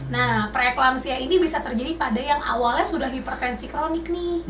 nah proyek lansia ini bisa terjadi pada yang awalnya sudah hipertensi kronik nih